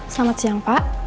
selamat siang pak